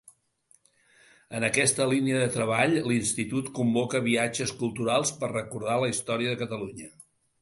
En aquesta línia de treball, l'Institut convoca viatges culturals per recordar la història de Catalunya.